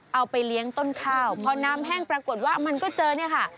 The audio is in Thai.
เอาไปเลี้ยงต้นข้าวพอน้ำแห้งปรากฏว่ามันก็เจอเนี่ยค่ะ